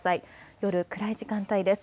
夜、暗い時間帯です。